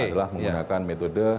adalah menggunakan metode